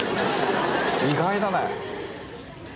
意外だね！